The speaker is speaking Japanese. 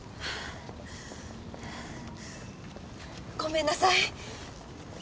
ごめんなさい！